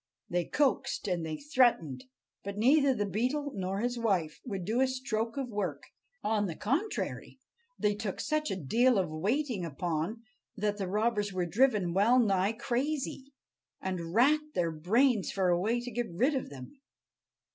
They coaxed and they threatened, but neither the Beetle nor his wife would do a stroke of work. On the contrary, they took such a deal of waiting upon that the robbers were driven well nigh crazy, and racked their brains for a way to get rid of them.